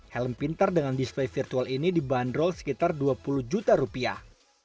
helm pintar dengan display virtual ini dibanderol sekitar dua puluh juta rupiah